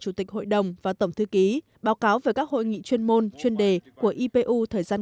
chủ tịch hội đồng và tổng thư ký báo cáo về các hội nghị chuyên môn chuyên đề của ipu thời gian